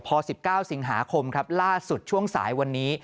พอ๑๙สิงหาคมครับล่าสุดช่วงสายวันนี้